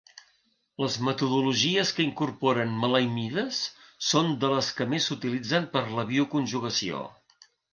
Les metodologies que incorporen maleimides són de les que més s'utilitzen per a la bioconjugació.